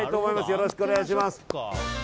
よろしくお願いします。